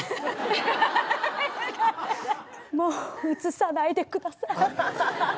もう映さないでください。